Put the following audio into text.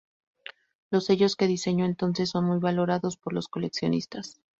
Los sellos que diseñó entonces son muy valorados por los coleccionistas.